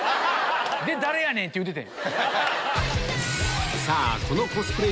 で誰やねん！って言うててん。